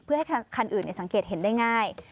เพื่อให้คันอื่นสังเกตเห็นได้ง่าย